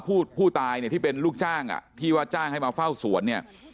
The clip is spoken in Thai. ผู้ตายเนี่ยที่เป็นลูกจ้างอ่ะที่ว่าจ้างให้มาเฝ้าสวนเนี่ย